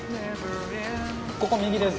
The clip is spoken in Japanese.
ここ右です。